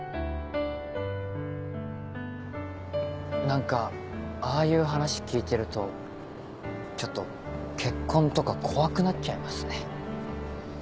何かああいう話聞いてるとちょっと結婚とか怖くなっちゃいますね。